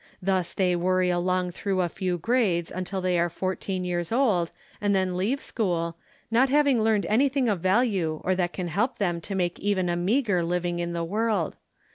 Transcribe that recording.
Thus they worry along through a few grades until they are fourteen years old and then leave school, WHAT IT MEANS 55 not having learned anything of value or that can help them to make even a meager living in the world.